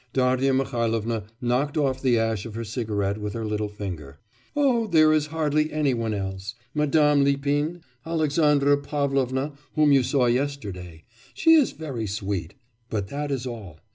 Darya Mihailovna knocked off the ash of her cigarette with her little finger. 'Oh, there is hardly any one else. Madame Lipin, Alexandra Pavlovna, whom you saw yesterday; she is very sweet but that is all.